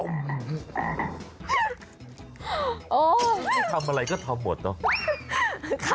นี่ทำอะไรก็ทำหมดเนอะ